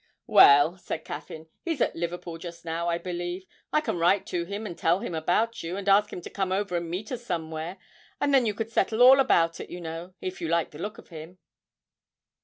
'Well,' said Caffyn, 'he's at Liverpool just now, I believe. I can write to him and tell him about you, and ask him to come over and meet us somewhere, and then you could settle all about it, you know, if you liked the look of him.'